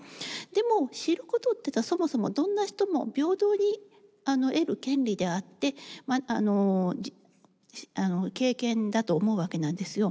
でも知ることっていうとそもそもどんな人も平等に得る権利であって経験だと思うわけなんですよ。